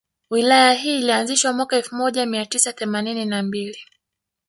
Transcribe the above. Wilaya hii ilianzishwa mwaka elfu moja mia tisa themanini na mbili